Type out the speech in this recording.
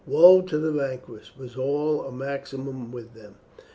Woe to the vanquished! was almost a maxim with them.